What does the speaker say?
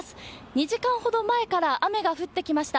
２時間ほど前から雨が降ってきました。